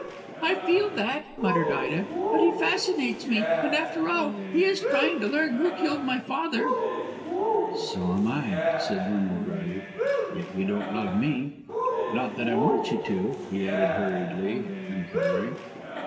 "I feel that," muttered Ida, "but he fascinates me. And, after all, he is trying to learn who killed my father." "So am I," said Vernon drily, "yet you don't love me. Not that I want you to," he added hurriedly and colouring.